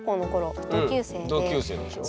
同級生でしょ？